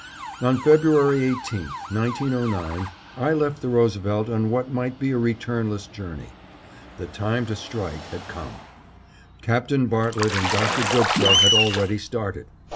On February 18, 1909, I left the Roosevelt on what might be a returnless journey. The time to strike had come. Captain Bartlett and Dr. Goodsell had already started.